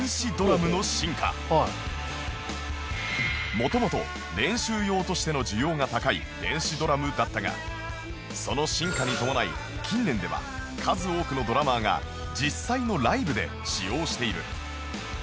元々練習用としての需要が高い電子ドラムだったがその進化に伴い近年では数多くのドラマーが実際のライブで使用している